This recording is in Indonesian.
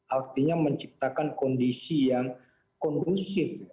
artinya menciptakan kondisi yang kondusif